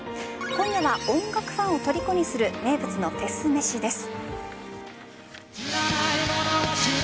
今夜は音楽ファンをとりこにする名物のフェスめしです。